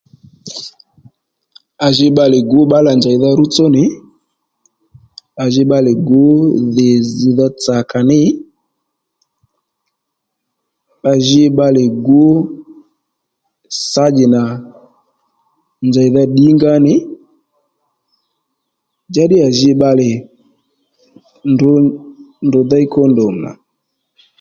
À ji bbalè gǔ bbǎlà njèydha rútsó nì à ji bbalè gǔ dhì zz̀dha tsakà nǐ à ji bbalè gǔ sányì nà njèydha ddǐngǎ nì njǎddǐ à ji bbalè ndrǔ déy kóndom nà